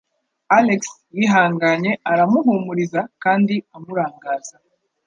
Alex yihanganye aramuhumuriza kandi amurangaza